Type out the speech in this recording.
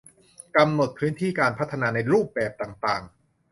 กำหนดพื้นที่การพัฒนาในรูปแบบต่างต่าง